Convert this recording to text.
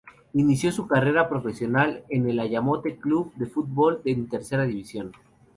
Inició su carrera profesional en el Ayamonte Club de Fútbol, en Tercera División.